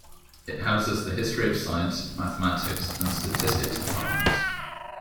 It houses the History of Science, Mathematics, and Statistics Departments.